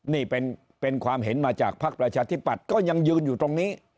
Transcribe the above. นี่เป็นความเห็นมาจากภักดิ์ประชาธิปัตย์ก็ยังยืนอยู่ตรงนี้